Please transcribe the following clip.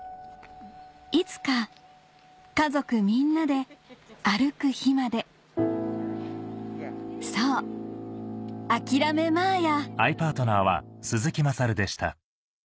いつか家族みんなで歩く日までそうあきらめまーや！